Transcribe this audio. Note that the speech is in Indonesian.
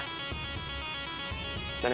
untuk bertanggung jawab atas perbuatan dia